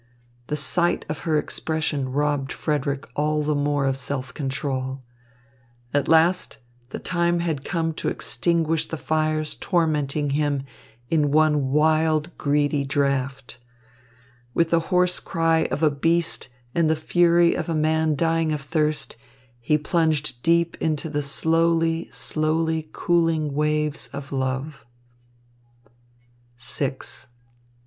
The sight of her expression robbed Frederick all the more of self control. At last the time had come to extinguish the fires tormenting him in one wild, greedy draught. With the hoarse cry of a beast and the fury of a man dying of thirst, he plunged deep into the slowly, slowly cooling waves of love.